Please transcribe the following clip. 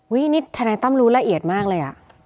อุ๊ยนี่ทนายตั้มรู้ละเอียดมากเลย